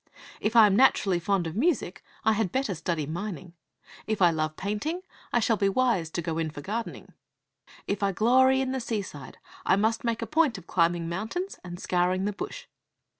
If I am naturally fond of music, I had better study mining. If I love painting, I shall be wise to go in for gardening. If I glory in the seaside, I must make a point of climbing mountains and scouring the bush.